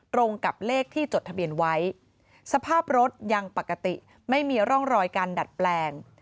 ตรงกับเลขที่จดทะเบียนไว้สภาพรถยังปกติไม่มีร่องรอยการดัดแปลง